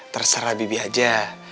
terserah bibi aja